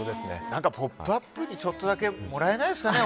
「ポップＵＰ！」にちょっとだけもらえないですかね？